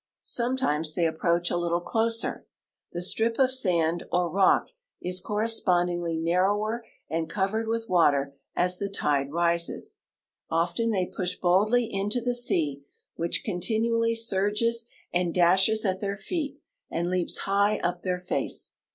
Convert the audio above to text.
Sometimes they approach a little closer ; the strip of sand or rock is correspondingly narrower and covered with water as the tide rises. Often they push boldly into the sea, which con tinually surges and dashes at their feet and leaps high up their face.